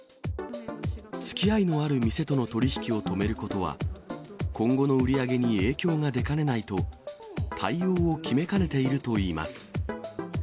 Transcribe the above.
つきあいのある店との取り引きを止めることは、今後の売り上げに影響が出かねないと、対応を決めかねているといいます。